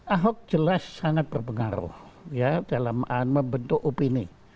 ahok jelas sangat berpengaruh ya dalam membentuk opini